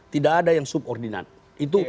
tidak ada yang subordinat